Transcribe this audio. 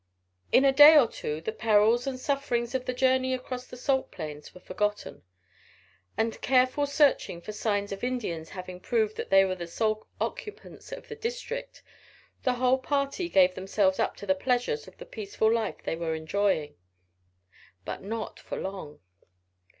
In a day or two the perils and sufferings of the journey across the salt plains were forgotten, and careful searching for signs of Indians having proved that they were the sole occupants of the district, the whole party gave themselves up to the pleasures of the peaceful life they were enjoying. But not for long.